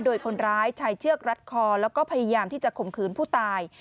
โดยคนร้ายใช้เชือกรัดคอแล้วก็พยายามที่จะข่มขืนผู้ตาย